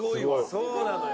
そうなのよ。